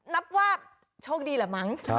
นับว่าโชคดีแหละมั้ง